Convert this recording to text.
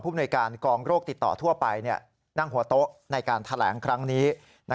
หน่วยการกองโรคติดต่อทั่วไปนั่งหัวโต๊ะในการแถลงครั้งนี้